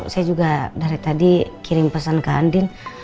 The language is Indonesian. saya juga dari tadi kirim pesan ke andin